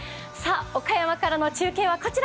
岡山からの中継はこちら。